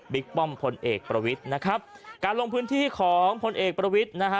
ป้อมพลเอกประวิทย์นะครับการลงพื้นที่ของพลเอกประวิทย์นะฮะ